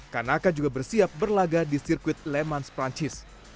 kanaka juga bersiap berlaga di sirkuit le mans prancis